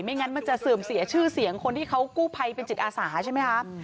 งั้นมันจะเสื่อมเสียชื่อเสียงคนที่เขากู้ภัยเป็นจิตอาสาใช่ไหมคะ